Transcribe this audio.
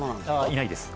いないです